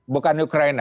bukan di ukraina